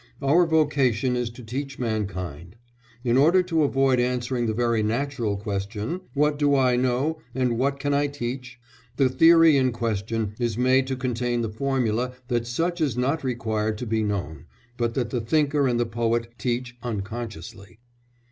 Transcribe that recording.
Our vocation is to teach mankind. In order to avoid answering the very natural question, 'What do I know, and what can I teach?' the theory in question is made to contain the formula that such is not required to be known, but that the thinker and the poet teach unconsciously."